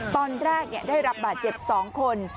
ตอนแรกได้รับบาดเจ็บ๒คน